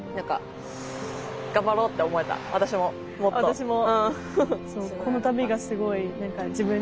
私も。